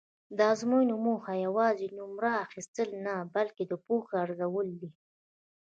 د ازموینو موخه یوازې نومره اخیستل نه بلکې د پوهې ارزول دي.